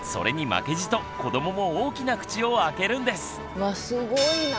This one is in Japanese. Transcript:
うわすごいな。